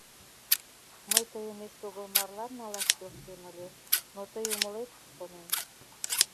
Мый тыйым эсогыл марлан налаш келшем ыле, но тый умылет, шонем...